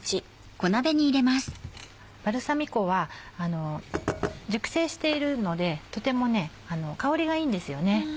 バルサミコは熟成しているのでとても香りがいいんですよね。